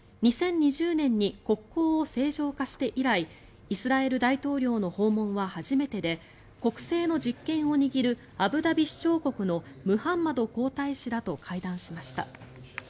２０２０年に国交を正常化して以来イスラエル大統領の訪問は初めてで国政の実権を握るアブダビ首長国のムハンマド皇太子らと会談しました。